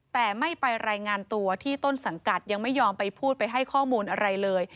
แต่ไม่ไปรายงานตัวที่ต้นสังกัดยังไม่ยอมไปพูดไปให้ข้อมูลอะไรเลย